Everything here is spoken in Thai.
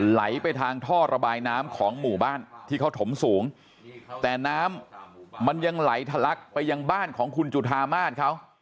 ไหลไปทางท่อระบายน้ำของหมู่บ้านที่เขาถมสูงแต่น้ำมันยังไหลทะลักไปยังบ้านของคุณจุธามาศเขา